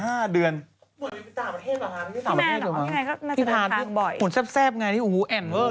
เหมือนไปต่างประเทศเหรอครับพี่แมนหรอน่าจะไปทางบ่อยพี่พานผมแซ่บไงนี่โอ้โหแอนเวิร์นอะ